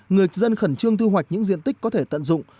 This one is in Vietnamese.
người dân khẩn trương thu hoạch những diện tích có thể tận dụng